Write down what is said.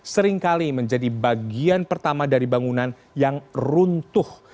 seringkali menjadi bagian pertama dari bangunan yang runtuh